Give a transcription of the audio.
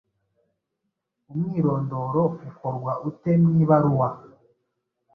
Umwirondoro ukorwa ute mwibaruwa